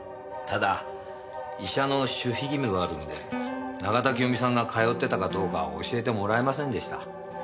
ただ医者の守秘義務があるので永田清美さんが通ってたかどうかは教えてもらえませんでした。